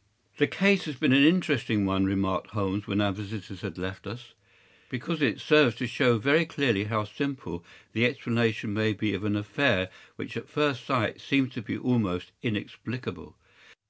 ” “The case has been an interesting one,” remarked Holmes, when our visitors had left us, “because it serves to show very clearly how simple the explanation may be of an affair which at first sight seems to be almost inexplicable.